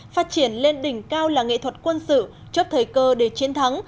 phát triển lên đỉnh cao là nghệ thuật quân sự trước thời cơ để chiến thắng